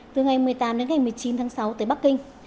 từ ngày một mươi tám đến ngày một mươi chín tháng sáu tới bắc kinh